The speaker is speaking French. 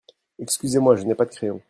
Excusez-moi, je n'ai pas de crayon.